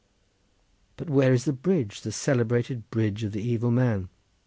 But where is the bridge, the celebrated bridge of the Evil Man?